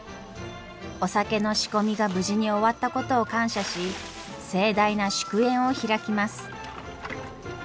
お酒の仕込みが無事に終わったことを感謝し盛大な祝宴を開きます。